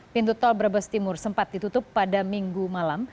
pintu tol brebes timur sempat ditutup pada minggu malam